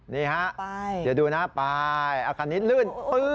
เดี๋ยวดูนะคันนี้ลื่น